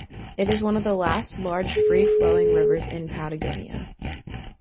It is one of the last large free-flowing rivers in Patagonia.